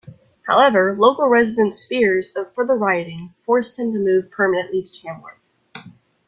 However, local residents' fears of further rioting, forced him to move permanently to Tamworth.